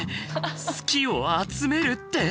好きを集めるって！？